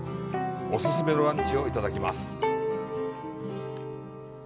お勧めのランチをいただきます。